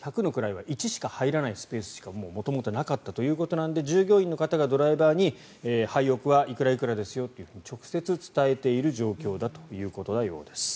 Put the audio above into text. １００の位は１しか入らないスペースしかないということだったので従業員の方がドライバーにハイオクはいくらいくらですよと直接伝えている状況だということです。